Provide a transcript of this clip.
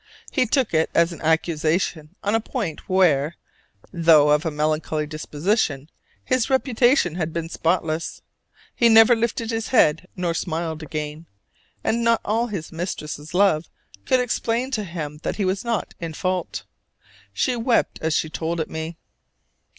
He took it as an accusation on a point where, though of a melancholy disposition, his reputation had been spotless. He never lifted his head nor smiled again. And not all his mistress' love could explain to him that he was not in fault. She wept as she told it me.